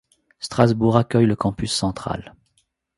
Strasbourg accueille le campus central.